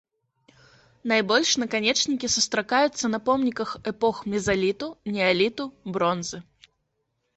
Найбольш наканечнікі сустракаюцца на помніках эпох мезаліту, неаліту, бронзы.